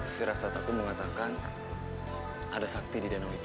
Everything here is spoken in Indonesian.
firasat aku mengatakan ada sakti di danau itu